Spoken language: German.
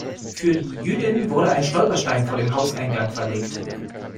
Für die Jüdin wurde ein Stolperstein vor dem Hauseingang verlegt.